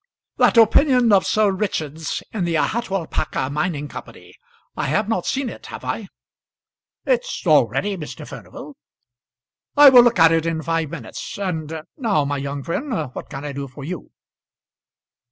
"That opinion of Sir Richard's in the Ahatualpaca Mining Company I have not seen it, have I?" "It's all ready, Mr. Furnival." "I will look at it in five minutes. And now, my young friend, what can I do for you?"